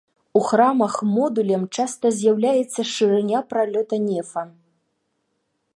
У храмах модулем часта з'яўляецца шырыня пралёта нефа.